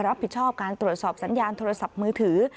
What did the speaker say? รับผิดชอบการตรวจสอบสัญญาณโทรศัพท์มือถือ